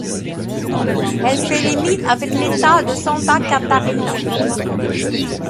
Elle fait limite avec l'État de Santa Catarina.